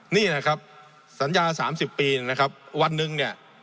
นี่นะครับสัญญา๓๐ปีนะครับวันหนึ่งเนี่ย